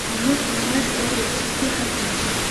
مامور د معاش او رخصتۍ حق لري.